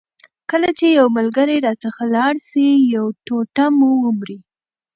کله چي یو ملګری راڅخه لاړ سي یو ټوټه مو ومري.